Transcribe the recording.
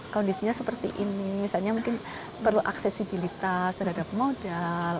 kondisinya seperti ini misalnya mungkin perlu aksesibilitas terhadap modal